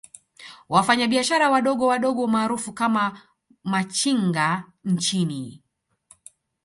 Wafanya biashara wadogo wadogo maarufu kama Machinga nchini